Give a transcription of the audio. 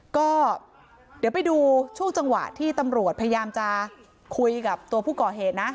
ก็เดี๋ยวไปดูช่วงจังหวะที่ตำรวจพยายามจะคุยกับตัวผู้ก่อเหตุนะ